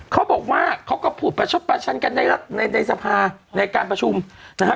เขาบอกว่าเขาก็พูดประชดประชันกันในสภาในการประชุมนะฮะ